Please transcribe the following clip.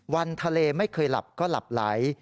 วันทะเลไม่เคยหลับก็หลับไหล